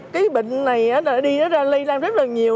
cái bệnh này nó đi nó ra lây lan rất là nhiều